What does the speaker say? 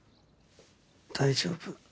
大丈夫。